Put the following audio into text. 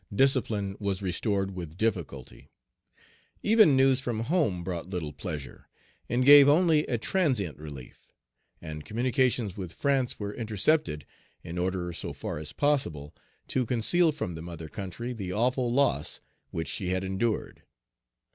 Discipline was restored with difficulty. Even news from home brought little pleasure, and gave only a transient Page 224 relief; and communications with France were intercepted, in order, so far as possible, to conceal from the mother country the awful loss which she had endured.